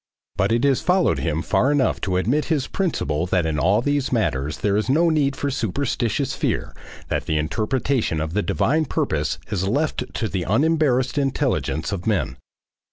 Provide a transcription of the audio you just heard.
But it has followed him far enough to admit his principle that in all these matters there is no need for superstitious fear, that the interpretation of the divine purpose is left to the unembarrassed intelligence of men.